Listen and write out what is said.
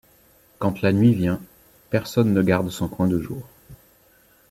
Quand la nuit vient, personne ne garde son coin de jour.